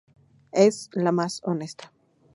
Es la más honesta.